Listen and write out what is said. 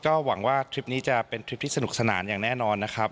ก็หวังว่าทริปนี้จะเป็นทริปที่สนุกสนานอย่างแน่นอนนะครับ